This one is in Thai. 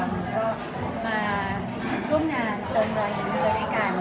มันก็มาร่วมงานเติมรอยยิ้มด้วยด้วยกัน